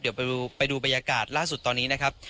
เดี๋ยวไปดูบรรยากาศล่าสุดตอนนี้นะครับ